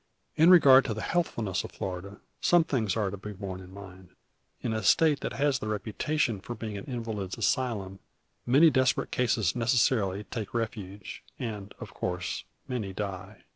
In regard to the healthfulness of Florida, some things are to be borne in mind. In a State that has the reputation of being an invalid's asylum, many desperate cases necessarily take refuge, and, of course, many die.